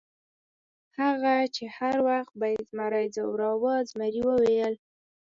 هغه چې هر وخت به یې زمري ځوراوه، زمري وویل.